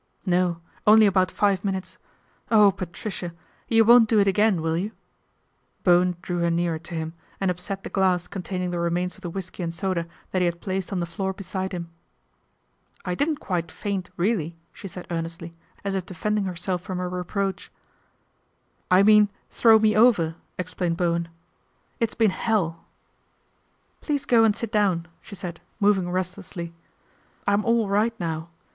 " No ; only about five minutes. Oh, Patricia ! you won't do it again, will you ?" Bowen drew her nearer to him and upset the glass containing the remains of the whisky and soda that he had placed on the floor beside him. ' I didn't quite faint, really," she said earnestly, as if defending herself from a reproach. " I mean throw me over," explained Bowen, "It's been hell!" " Please go and sit down," she said, moving restlessly. "I'm all right now.